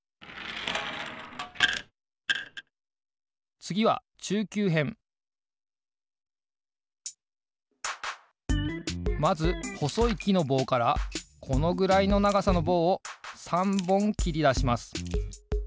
つぎはまずほそいきのぼうからこのぐらいのながさのぼうを３ぼんきりだします。